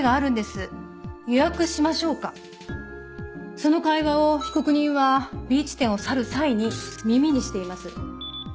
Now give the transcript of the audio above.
その会話を被告人はＢ地点を去る際に耳にしています。